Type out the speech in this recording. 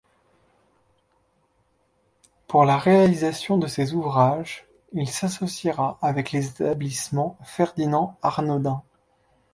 Pour la réalisation de ces ouvrages, il s'associera avec les établissements Ferdinand Arnodin.